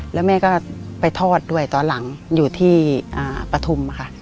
แล้วแม่ก็ไปทอดด้วยตอนหลังอยู่ที่ปฐุมค่ะ